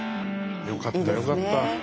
よかったよかった。